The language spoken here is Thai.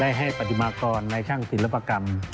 ได้ให้สธิมากรในท่างศิลปกรรม